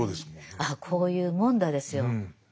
あこういうもんだですよ。